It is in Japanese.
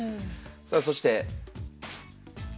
さあそして。